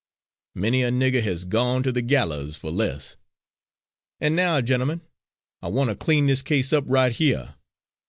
Many a nigger has gone to the gallows for less. And now, gentlemen, I want to clean this case up right here.